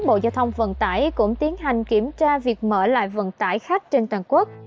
bộ giao thông vận tải cũng tiến hành kiểm tra việc mở lại vận tải khách trên toàn quốc